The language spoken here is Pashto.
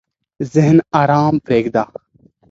ذهن ارام پرېږده.